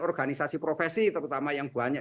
organisasi profesi terutama yang banyak